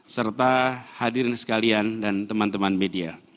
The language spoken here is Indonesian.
serta hadirin sekalian dan teman teman media